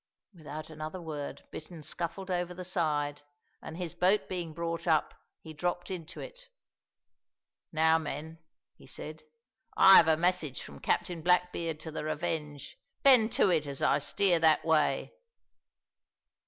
Without another word, Bittern scuffled over the side, and, his boat being brought up, he dropped into it. "Now, men," he said, "I have a message from Captain Blackbeard to the Revenge; bend to it as I steer that way."